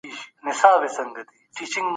تېر کال هغه په خپله سيمه کي ډېر عزت وګاټه.